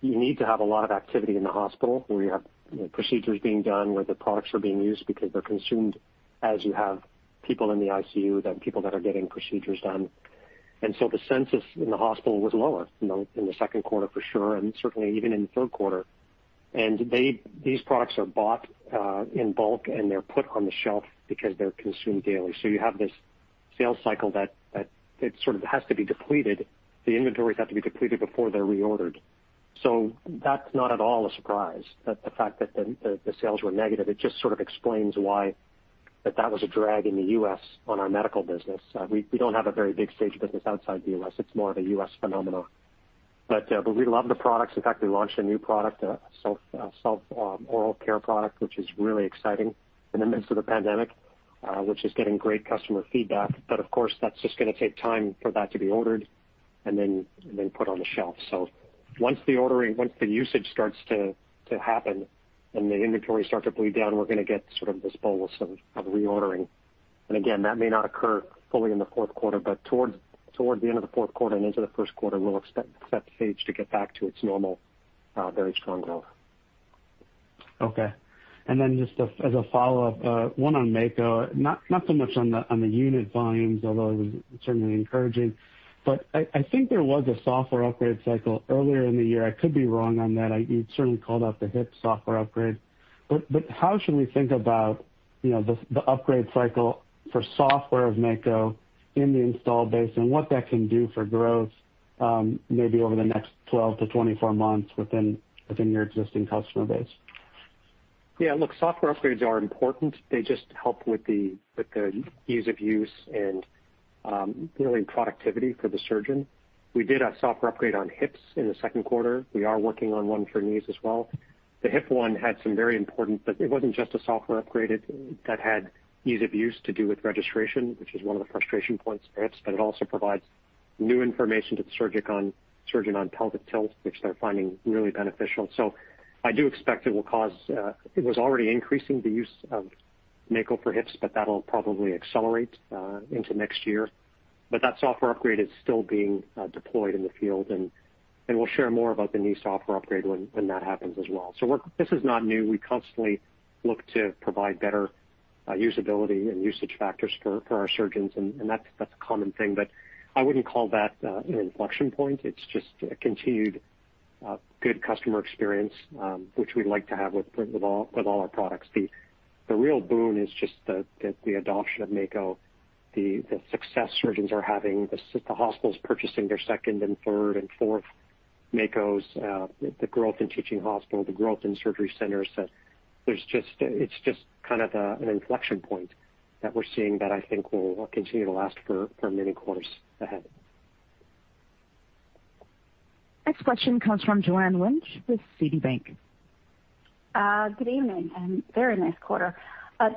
you need to have a lot of activity in the hospital where you have procedures being done, where the products are being used because they're consumed as you have people in the ICU, then people that are getting procedures done. The census in the hospital was lower in the second quarter for sure, and certainly even in the third quarter. These products are bought in bulk, and they're put on the shelf because they're consumed daily. You have this sales cycle that sort of has to be depleted. The inventories have to be depleted before they're reordered. That's not at all a surprise that the fact that the sales were negative. It just sort of explains why that was a drag in the U.S. on our medical business. We don't have a very big Sage business outside the U.S. It's more of a U.S. phenomenon. We love the products. In fact, we launched a new product, a self-oral care product, which is really exciting in the midst of the pandemic, which is getting great customer feedback. Of course, that's just going to take time for that to be ordered and then put on the shelf. Once the usage starts to happen and the inventory start to bleed down, we're going to get sort of this bolus of reordering. Again, that may not occur fully in the fourth quarter, but towards the end of the fourth quarter and into the first quarter, we'll expect Sage to get back to its normal, very strong growth. Okay. Just as a follow-up, one on Mako. Not so much on the unit volumes, although it was certainly encouraging. I think there was a software upgrade cycle earlier in the year. I could be wrong on that. You certainly called out the hip software upgrade. How should we think about the upgrade cycle for software of Mako in the install base and what that can do for growth maybe over the next 12-24 months within your existing customer base? Yeah, look, software upgrades are important. They just help with the ease of use and really productivity for the surgeon. We did a software upgrade on hips in the second quarter. We are working on one for knees as well. The hip one had some very important, it wasn't just a software upgrade that had ease of use to do with registration, which is one of the frustration points for hips, but it also provides new information to the surgeon on pelvic tilt, which they're finding really beneficial. I do expect it was already increasing the use of Mako for hips, but that'll probably accelerate into next year. That software upgrade is still being deployed in the field, and we'll share more about the new software upgrade when that happens as well. This is not new. We constantly look to provide better usability and usage factors for our surgeons. That's a common thing, but I wouldn't call that an inflection point. It's just a continued good customer experience, which we like to have with all our products. The real boon is just the adoption of Mako, the success surgeons are having, the hospitals purchasing their second and third and fourth Makos, the growth in teaching hospitals, the growth in surgery centers. It's just kind of an inflection point that we're seeing that I think will continue to last for many quarters ahead. Next question comes from Joanne Wuensch with Citi. Good evening. Very nice quarter.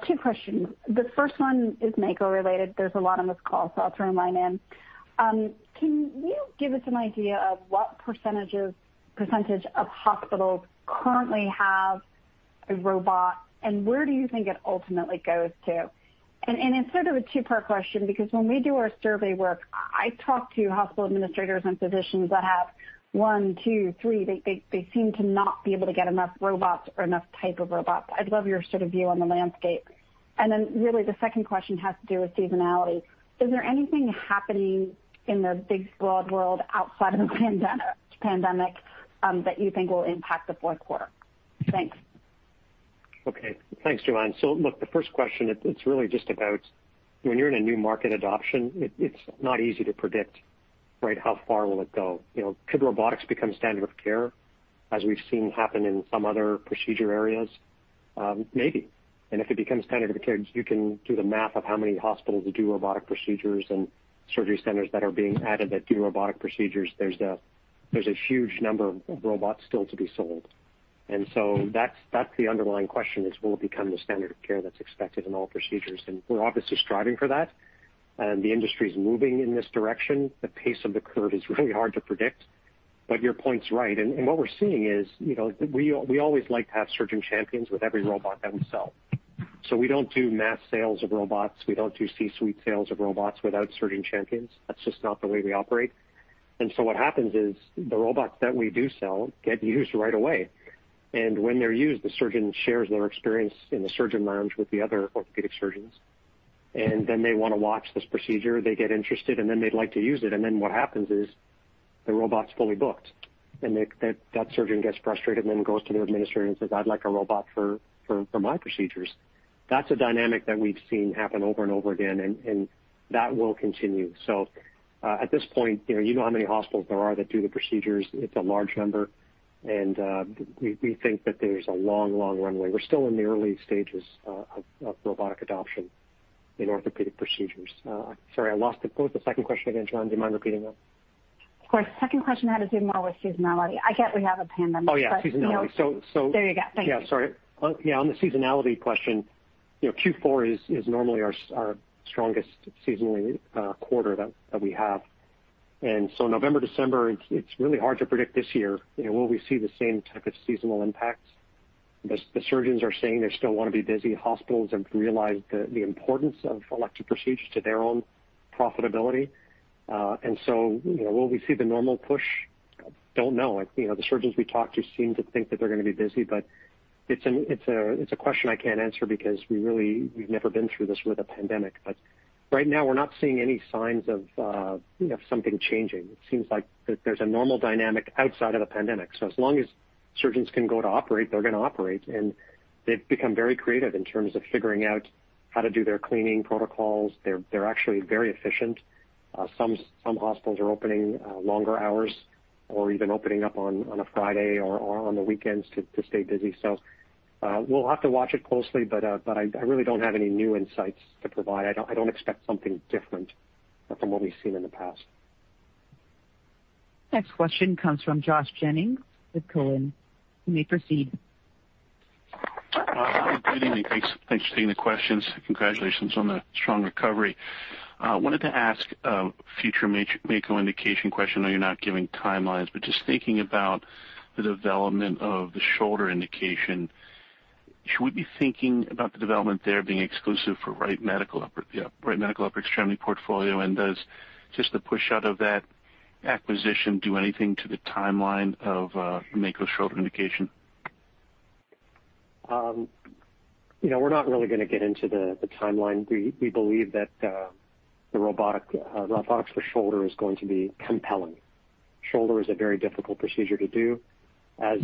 Two questions. The first one is Mako related. There's a lot on this call. I'll throw mine in. Can you give us an idea of what percentage of hospitals currently have a robot, where do you think it ultimately goes to? It's sort of a two-part question because when we do our survey work, I talk to hospital administrators and physicians that have one, two, three. They seem to not be able to get enough robots or enough type of robots. I'd love your sort of view on the landscape. Really, the second question has to do with seasonality. Is there anything happening in the big broad world outside of the pandemic that you think will impact the fourth quarter? Thanks. Okay. Thanks, Joanne. Look, the first question, it's really just about when you're in a new market adoption, it's not easy to predict, right, how far will it go? Could robotics become standard of care as we've seen happen in some other procedure areas? Maybe. If it becomes standard of care, you can do the math of how many hospitals that do robotic procedures and surgery centers that are being added that do robotic procedures. There's a huge number of robots still to be sold. That's the underlying question: will it become the standard of care that's expected in all procedures? We're obviously striving for that. The industry's moving in this direction. The pace of the curve is really hard to predict, but your point's right. What we're seeing is, we always like to have surgeon champions with every robot that we sell. We don't do mass sales of robots. We don't do C-suite sales of robots without surgeon champions. That's just not the way we operate. What happens is the robots that we do sell get used right away. When they're used, the surgeon shares their experience in the surgeon lounge with the other orthopedic surgeons. Then they want to watch this procedure, they get interested, and then they'd like to use it. Then what happens is the robot's fully booked. That surgeon gets frustrated and then goes to the administrator and says, "I'd like a robot for my procedures." That's a dynamic that we've seen happen over and over again, and that will continue. At this point, you know how many hospitals there are that do the procedures. It's a large number. We think that there's a long runway. We're still in the early stages of robotic adoption in orthopedic procedures. Sorry, I lost the second question again, Joanne, do you mind repeating that? Of course. Second question had to do more with seasonality. I get we have a pandemic, but. Oh, yeah, seasonality. There you go. Thank you. Yeah, sorry. Yeah, on the seasonality question, Q4 is normally our strongest seasonally quarter that we have. November, December, it's really hard to predict this year. Will we see the same type of seasonal impacts? The surgeons are saying they still want to be busy. Hospitals have realized the importance of elective procedures to their own profitability. Will we see the normal push? I don't know. The surgeons we talk to seem to think that they're going to be busy. It's a question I can't answer because we've never been through this with a pandemic. Right now, we're not seeing any signs of something changing. It seems like there's a normal dynamic outside of the pandemic. As long as surgeons can go to operate, they're going to operate. They've become very creative in terms of figuring out how to do their cleaning protocols. They're actually very efficient. Some hospitals are opening longer hours or even opening up on a Friday or on the weekends to stay busy. We'll have to watch it closely, but I really don't have any new insights to provide. I don't expect something different from what we've seen in the past. Next question comes from Josh Jennings with Cowen. You may proceed. Josh Jennings. Thanks for taking the questions. Congratulations on the strong recovery. I wanted to ask a future Mako indication question. I know you're not giving timelines, but just thinking about the development of the shoulder indication, should we be thinking about the development there being exclusive for Wright Medical upper extremity portfolio? Does just the push out of that acquisition do anything to the timeline of Mako shoulder indication? We're not really going to get into the timeline. We believe that the robotics for shoulder is going to be compelling. Shoulder is a very difficult procedure to do as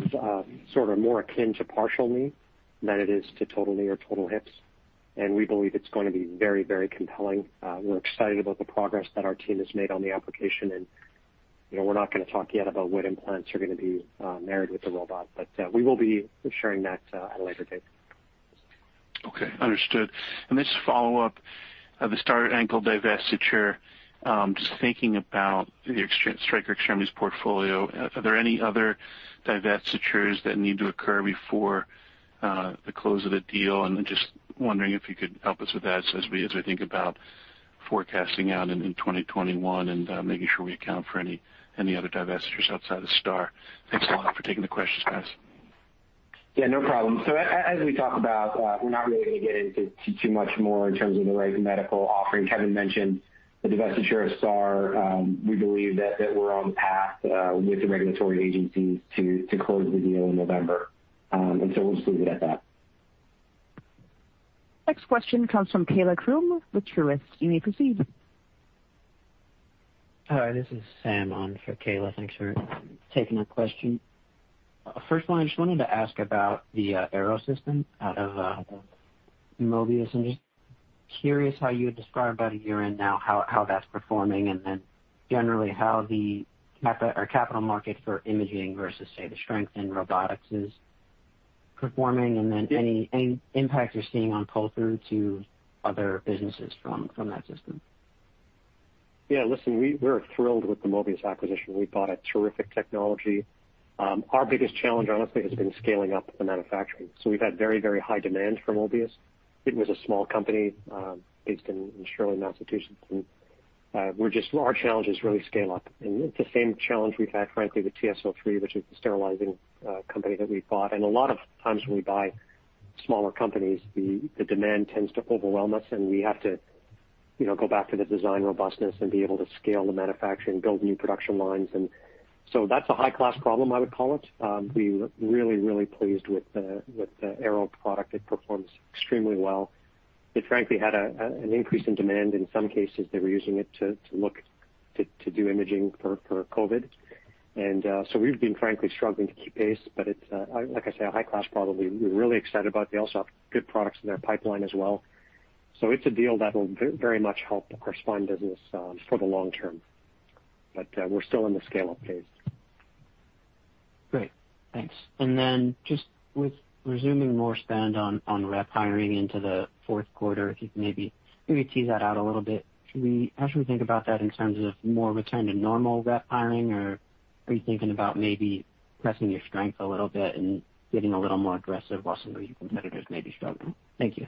sort of more akin to partial knee than it is to total knee or total hips, and we believe it's going to be very compelling. We're excited about the progress that our team has made on the application, and we're not going to talk yet about what implants are going to be married with the robot. We will be sharing that at a later date. Okay. Understood. This follow-up of the STAR ankle divestiture, just thinking about the Stryker extremities portfolio, are there any other divestitures that need to occur before the close of the deal? Forecasting out in 2021 and making sure we account for any other divestitures outside of STAR. Thanks a lot for taking the questions, guys. Yeah, no problem. As we talk about, we're not really going to get into too much more in terms of the Wright Medical offering. Kevin mentioned the divestiture of STAR. We believe that we're on path with the regulatory agencies to close the deal in November. We'll just leave it at that. Next question comes from Kaila Krum with Truist. You may proceed. Hi, this is Sam on for Kaila. Thanks for taking our question. First one, I just wanted to ask about the Airo system out of Mobius. I'm just curious how you would describe about a year in now how that's performing, and then generally how the capital market for imaging versus, say, the strength in robotics is performing, and then any impact you're seeing on pull-through to other businesses from that system. Yeah, listen, we're thrilled with the Mobius acquisition. We bought a terrific technology. Our biggest challenge, honestly, has been scaling up the manufacturing. We've had very high demand for Mobius. It was a small company based in Shirley, Massachusetts. Our challenge is really scale up, and it's the same challenge we've had, frankly, with TSO3, which is the sterilizing company that we bought. A lot of times when we buy smaller companies, the demand tends to overwhelm us, and we have to go back to the design robustness and be able to scale the manufacturing, build new production lines. That's a high-class problem, I would call it. We're really pleased with the Airo product. It performs extremely well. It frankly had an increase in demand. In some cases, they were using it to do imaging for COVID. We've been frankly struggling to keep pace, but like I say, a high-class problem. We're really excited about it. They also have good products in their pipeline as well. It's a deal that will very much help the corresponding business for the long term. We're still in the scale-up phase. Great. Thanks. Then just with resuming more spend on rep hiring into the fourth quarter, if you could maybe tease that out a little bit. How should we think about that in terms of more return to normal rep hiring, or are you thinking about maybe pressing your strength a little bit and getting a little more aggressive while some of your competitors may be struggling? Thank you.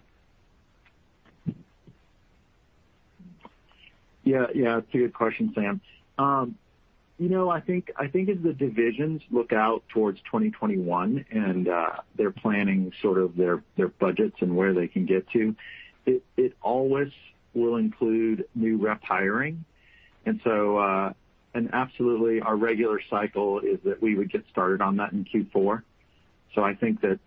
Yeah. It's a good question, Sam. I think as the divisions look out towards 2021 and they're planning sort of their budgets and where they can get to, it always will include new rep hiring. Absolutely our regular cycle is that we would get started on that in Q4. I think that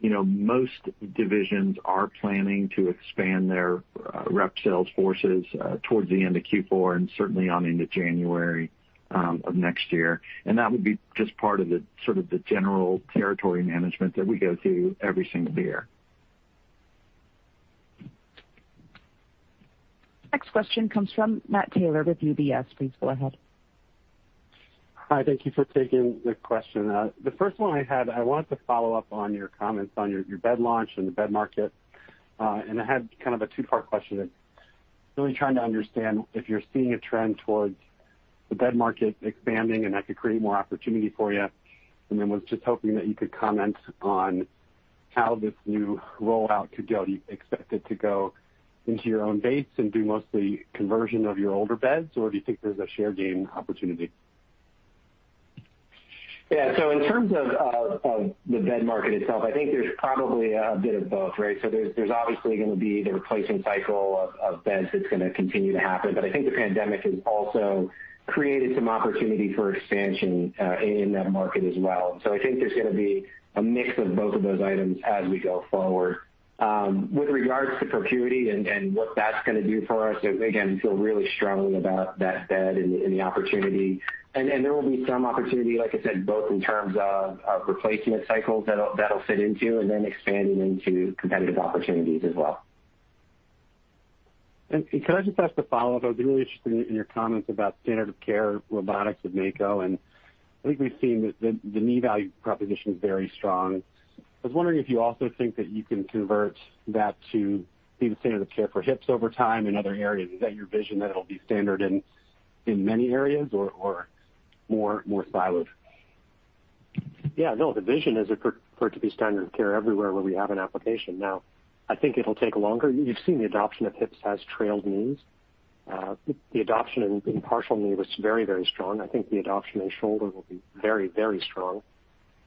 most divisions are planning to expand their rep sales forces towards the end of Q4 and certainly on into January of next year. That would be just part of the sort of the general territory management that we go through every single year. Next question comes from Matt Taylor with UBS. Please go ahead. Hi. Thank you for taking the question. The first one I had, I wanted to follow up on your comments on your bed launch and the bed market. I had kind of a two-part question there. Really trying to understand if you're seeing a trend towards the bed market expanding and that could create more opportunity for you. Then was just hoping that you could comment on how this new rollout could go. Do you expect it to go into your own base and do mostly conversion of your older beds, or do you think there's a share gain opportunity? In terms of the bed market itself, I think there's probably a bit of both, right? There's obviously going to be the replacement cycle of beds that's going to continue to happen. I think the pandemic has also created some opportunity for expansion in that market as well. I think there's going to be a mix of both of those items as we go forward. With regards to ProCuity and what that's going to do for us, again, feel really strongly about that bed and the opportunity. There will be some opportunity, like I said, both in terms of replacement cycles that'll fit into and then expanding into competitive opportunities as well. Could I just ask a follow-up? I was really interested in your comments about standard of care robotics with Mako, and I think we've seen that the knee value proposition is very strong. I was wondering if you also think that you can convert that to be the standard of care for hips over time and other areas. Is that your vision that it'll be standard in many areas or more siloed? Yeah, no, the vision is for it to be standard of care everywhere where we have an application. I think it'll take longer. You've seen the adoption of hips has trailed knees. The adoption in partial knee was very strong. I think the adoption in shoulder will be very strong.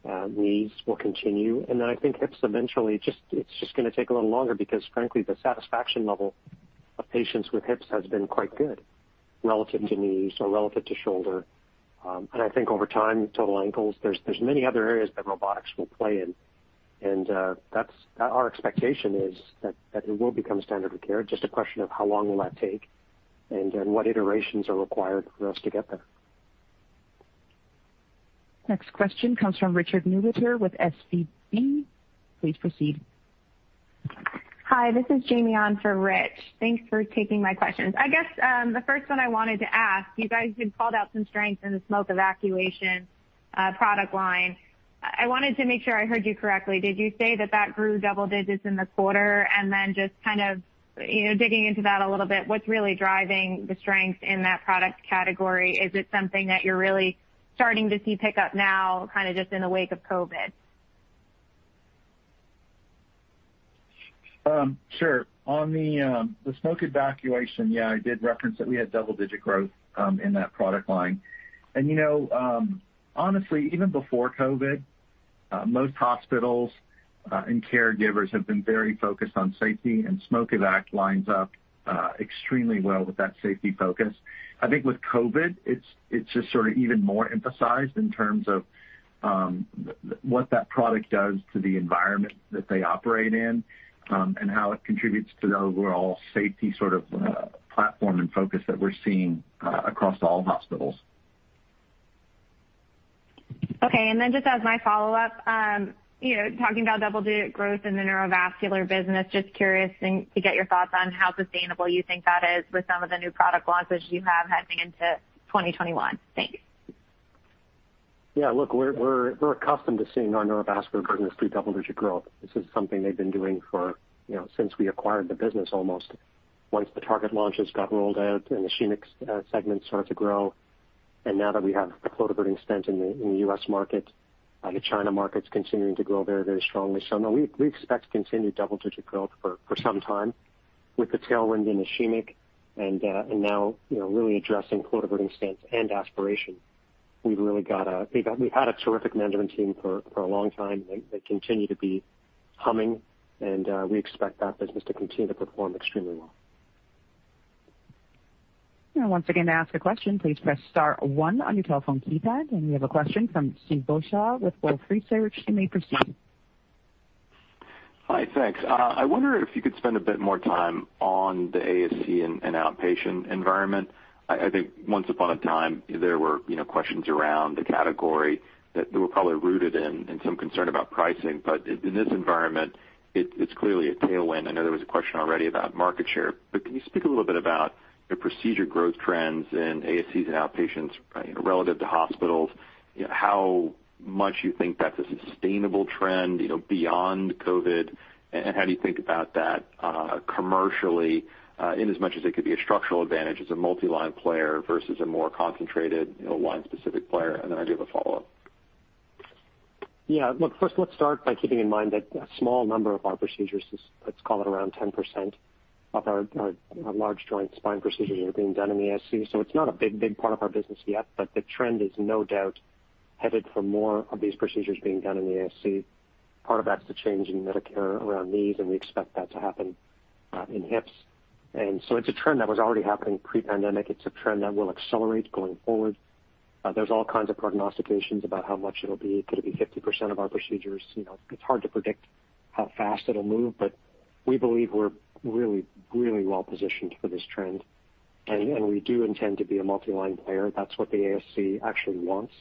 Knees will continue. I think hips eventually, it's just going to take a little longer because frankly, the satisfaction level of patients with hips has been quite good relative to knees or relative to shoulder. I think over time, total ankles, there's many other areas that robotics will play in. Our expectation is that it will become standard of care. Just a question of how long will that take what iterations are required for us to get there. Next question comes from Richard Newitter with SVB. Please proceed. Hi, this is Jamie on for Rich. Thanks for taking my questions. I guess, the first one I wanted to ask, you guys have called out some strength in the SmokeEvac product line. I wanted to make sure I heard you correctly. Did you say that grew double digits in the quarter? Then just kind of digging into that a little bit, what's really driving the strength in that product category? Is it something that you're really starting to see pick up now, kind of just in the wake of COVID? Sure. On the smoke evacuation, yeah, I did reference that we had double-digit growth in that product line. Honestly, even before COVID, most hospitals and caregivers have been very focused on safety, and SmokeEvac lines up extremely well with that safety focus. I think with COVID, it's just sort of even more emphasized in terms of what that product does to the environment that they operate in and how it contributes to the overall safety sort of platform and focus that we're seeing across all hospitals. Okay, then just as my follow-up, talking about double-digit growth in the neurovascular business, just curious to get your thoughts on how sustainable you think that is with some of the new product launches you have heading into 2021. Thanks. Yeah, look, we're accustomed to seeing our neurovascular business do double-digit growth. This is something they've been doing since we acquired the business almost. Once the target launches got rolled out and the ischemic segment started to grow, and now that we have the flow-diverting stent in the U.S. market, the China market's continuing to grow very strongly. No, we expect continued double-digit growth for some time with the tailwind in ischemic and now really addressing coatablating stents and aspiration. We've had a terrific management team for a long time, and they continue to be humming, and we expect that business to continue to perform extremely well. Once again, to ask a question, please press star one on your telephone keypad. We have a question from Steve Beuchaw with Wolfe Research. You may proceed. Hi, thanks. I wonder if you could spend a bit more time on the ASC and outpatient environment. I think once upon a time there were questions around the category that were probably rooted in some concern about pricing. In this environment, it's clearly a tailwind. I know there was a question already about market share, but can you speak a little bit about the procedure growth trends in ASCs and outpatients relative to hospitals, how much you think that's a sustainable trend beyond COVID, and how do you think about that commercially inasmuch as it could be a structural advantage as a multi-line player versus a more concentrated line-specific player? Then I do have a follow-up. Look, first let's start by keeping in mind that a small number of our procedures is, let's call it around 10% of our large joint spine procedures are being done in the ASC. It's not a big part of our business yet, but the trend is no doubt headed for more of these procedures being done in the ASC. Part of that's the change in Medicare around knees, and we expect that to happen in hips. It's a trend that was already happening pre-pandemic. It's a trend that will accelerate going forward. There's all kinds of prognostications about how much it'll be. Could it be 50% of our procedures? It's hard to predict how fast it'll move, but we believe we're really well-positioned for this trend, and we do intend to be a multi-line player. That's what the ASC actually wants.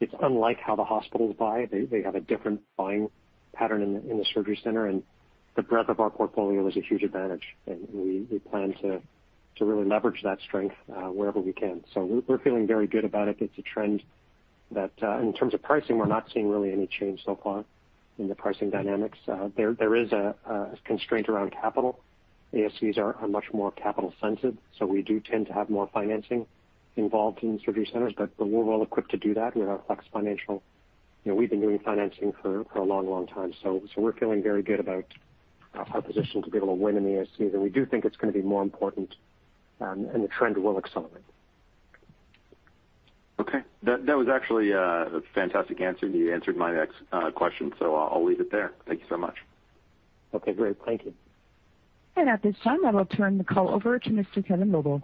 It's unlike how the hospitals buy. They have a different buying pattern in the surgery center, and the breadth of our portfolio is a huge advantage, and we plan to really leverage that strength wherever we can. We're feeling very good about it. It's a trend that in terms of pricing, we're not seeing really any change so far in the pricing dynamics. There is a constraint around capital. ASCs are much more capital sensitive, so we do tend to have more financing involved in surgery centers, but we're well equipped to do that with our Flex Financial. We've been doing financing for a long time. We're feeling very good about our position to be able to win in the ASC, and we do think it's going to be more important, and the trend will accelerate. Okay. That was actually a fantastic answer. You answered my next question, I'll leave it there. Thank you so much. Okay, great. Thank you. At this time, I will turn the call over to Mr. Kevin Lobo.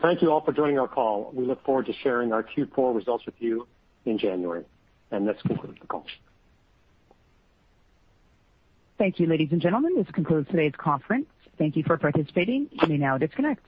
Thank you all for joining our call. We look forward to sharing our Q4 results with you in January. This concludes the call. Thank you, ladies and gentlemen. This concludes today's conference. Thank you for participating. You may now disconnect.